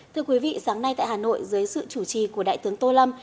thưa quý vị sáng nay tại hà nội dưới sự chủ trì của đại tướng tô lâm